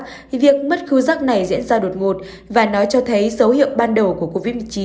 thì việc mất khứ giác này diễn ra đột ngột và nó cho thấy dấu hiệu ban đầu